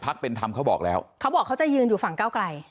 เป็นธรรมเขาบอกแล้วเขาบอกเขาจะยืนอยู่ฝั่งก้าวไกล